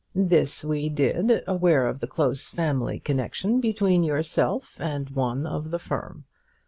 This we did, aware of the close family connection between yourself and one of the firm.